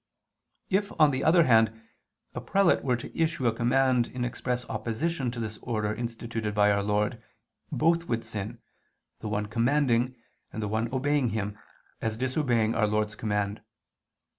If, on the other hand, a prelate were to issue a command in express opposition to this order instituted by Our Lord, both would sin, the one commanding, and the one obeying him, as disobeying Our Lord's command.